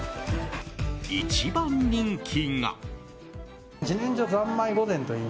一番人気が。